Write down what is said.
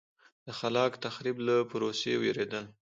د خلاق تخریب له پروسې وېرېدل.